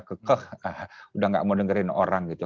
kekeh udah gak mau dengerin orang gitu